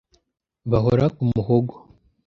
bahora ku muhogo